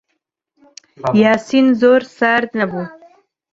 یاسین زۆر سارد نەبوو.